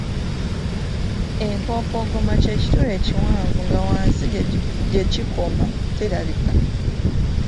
Empompogoma ky’ekituli ekiwanvu nga wansi gye kikoma terabika.